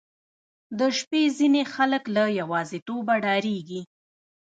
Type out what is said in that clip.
• د شپې ځینې خلک له یوازیتوبه ډاریږي.